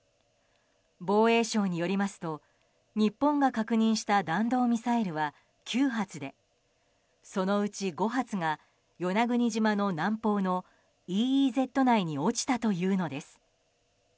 防衛省によりますと日本が確認した弾道ミサイルは９発でそのうち５発が与那国島の南方のＥＥＺ内に落ちたというのです。